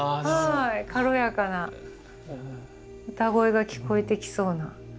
軽やかな歌声が聞こえてきそうな。